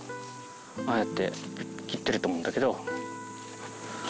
ああやって切ってると思うんだけど。